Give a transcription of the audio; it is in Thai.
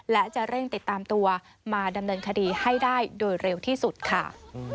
และจะเร่งติดตามตัวมาดำเนินคดีให้ได้โดยเร็วที่สุดค่ะ